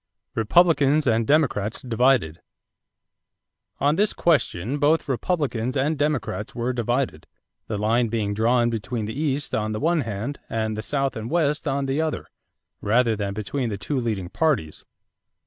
=Republicans and Democrats Divided.= On this question both Republicans and Democrats were divided, the line being drawn between the East on the one hand and the South and West on the other, rather than between the two leading parties.